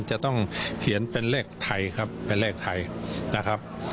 จะต้องเขียนเป็นเลขไทยครับเป็นเลขไทยนะครับ